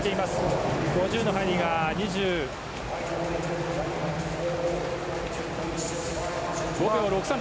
５０の入りが２５秒６３。